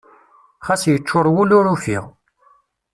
Xas yeččuṛ wul ur ufiɣ.